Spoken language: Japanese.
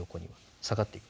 下がっていく。